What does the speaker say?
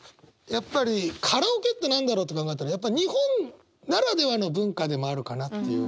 やっぱりカラオケって何だろうって考えたらやっぱ日本ならではの文化でもあるかなっていう。